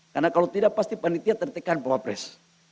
karena kalau tidak pasti penelitian tertekan bapak pres